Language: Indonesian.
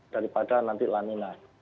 daripada nanti lamina